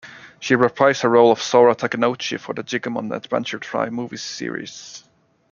She reprised her role of Sora Takenouchi for the "Digimon Adventure tri" movie series.